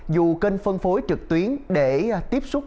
dù kênh phân phối trực tuyến để tiếp xúc